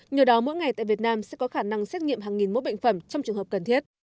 nhờ đó mỗi ngày tại việt nam sẽ có khả năng xét nghiệm hàng nghìn mỗi bệnh phẩm trong trường hợp cần thiết